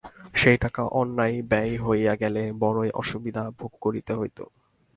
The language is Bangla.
সে টাকা অন্যায় ব্যয় হইয়া গেলে বড়োই অসুবিধা ভোগ করিতে হইত।